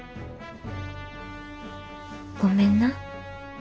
ごめんな。